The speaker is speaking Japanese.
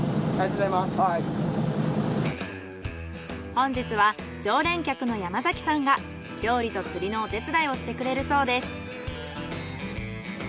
本日は常連客の山崎さんが料理と釣りのお手伝いをしてくれるそうです。